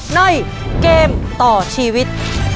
ในเกมต่อชีวิต